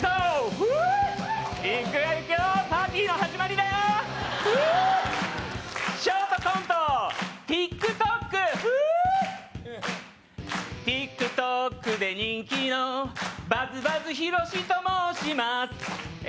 フーッＴｉｋＴｏｋで人気のバズバズヒロシと申しますえ